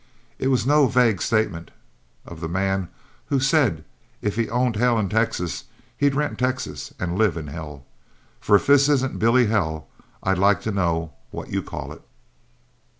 It was no vague statement of the man who said if he owned hell and Texas, he'd rent Texas and live in hell, for if this isn't Billy hell, I'd like to know what you call it."